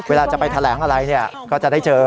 เวลาจะไปแถลงอะไรเนี่ยก็จะได้เจอ